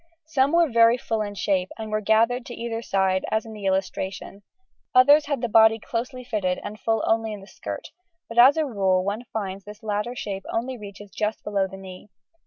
Some were very full in shape, and were gathered to either side as in the illustration; others had the body closely fitted and full only in the skirt, but as a rule one finds this latter shape only reaches just below the knee.